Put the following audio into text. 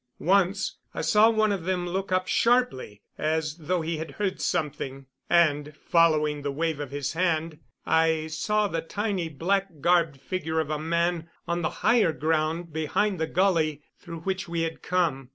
Once I saw one of them look up sharply, as though he had heard something; and, following the wave of his hand, I saw the tiny black garbed figure of a man on the higher ground behind the gully through which we had come.